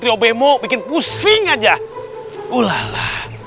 trio bemo bikin pusing aja ulala